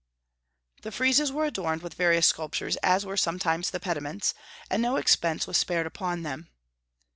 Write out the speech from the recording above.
The friezes were adorned with various sculptures, as were sometimes the pediments, and no expense was spared upon them.